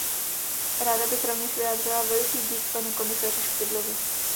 Ráda bych rovněž vyjádřila veliký dík panu komisaři Špidlovi.